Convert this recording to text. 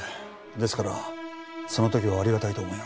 ですからその時はありがたいと思いました。